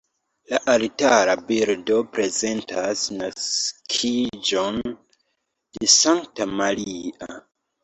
La altara bildo prezentas naskiĝon de Sankta Maria.